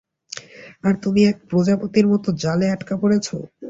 আর তুমি এক প্রজাপতির মতো জালে আটকা পড়েছ।